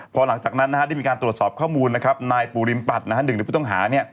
พอหลังจากนั้นได้มีการตรวจสอบข้อมูลนะครับนายปูริมปัตย์หนึ่งในผู้ต้องหา